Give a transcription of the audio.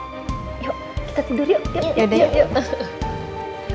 yuk kita tidur yuk yuk yuk yuk